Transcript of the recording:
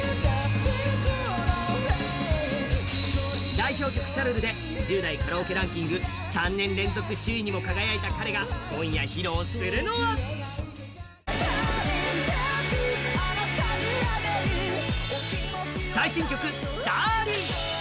代表曲「シャルル」で１０代カラオケランキング３年連続首位にも輝いた彼が今夜、披露するのは最新曲、「ダーリン」。